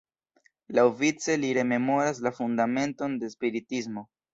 Laŭvice li rememoras la fundamenton de Spiritismo.